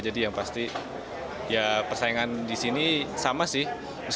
jadi yang pasti ya persaingan di sini sama sih